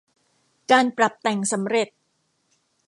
การปรับแต่งสำเร็จ